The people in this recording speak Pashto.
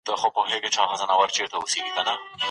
موږ به په راتلونکي کي هم کار کوو.